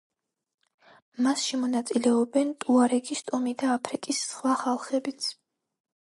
მასში მონაწილეობენ ტუარეგის ტომი და აფრიკის სხვა ხალხებიც.